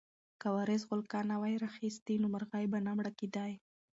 که وارث غولکه نه وای راخیستې نو مرغۍ به نه مړه کېده.